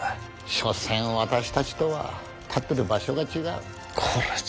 所詮私たちとは立ってる場所が違う。